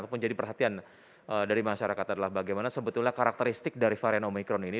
ataupun jadi perhatian dari masyarakat adalah bagaimana sebetulnya karakteristik dari varian omikron ini